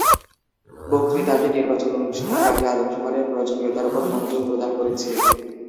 বক্তৃতাটি নির্বাচন অনুষ্ঠানের আগে আদমশুমারির প্রয়োজনীয়তার উপর মনোযোগ প্রদান করেছে।